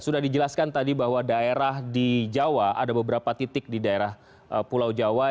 sudah dijelaskan tadi bahwa daerah di jawa ada beberapa titik di daerah pulau jawa